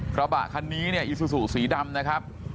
กระบะคันนี้เนี่ยอีซูซูสีดำนะครับ